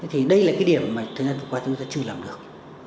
thì đây là cái điểm mà thời gian vừa qua chúng ta chưa làm được